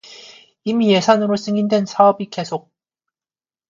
이미 예산으로 승인된 사업의 계속